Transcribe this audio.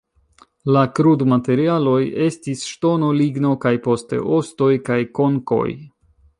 La krudmaterialoj estis ŝtono, ligno kaj poste ostoj kaj konkoj.